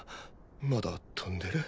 まだ飛んでる？